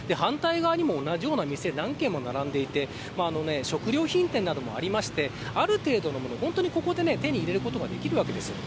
反対側にも同じような店が何軒も並んでいて食料品店などもあってある程度のもの、本当にここで手に入れることができます。